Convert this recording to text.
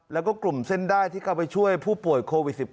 แล้วก็กลุ่มเส้นได้ที่เข้าไปช่วยผู้ป่วยโควิด๑๙